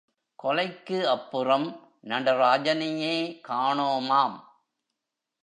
கொலைக்கு அப்புறம் நடராஜனையே காணோமாம்.